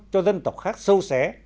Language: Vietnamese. cho dân tộc khác sâu xé